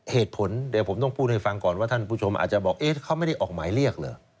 เหตุผลเดี๋ยวผมต้องพูดให้ฟังก่อนว่าท่านผู้ชมอาจจะบอกเอ๊ะเขาไม่ได้ออกหมายเรียกเหรอ